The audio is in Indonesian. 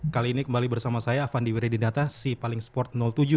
kali ini kembali bersama saya avandi wiredinata sipaling sport tujuh